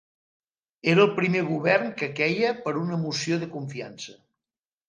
Era el primer govern que queia per una moció de confiança.